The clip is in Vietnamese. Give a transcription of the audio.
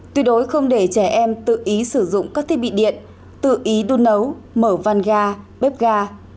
tuyệt đối không để trẻ em tự ý sử dụng các thiết bị điện tự ý đun nấu mở van ga bếp ga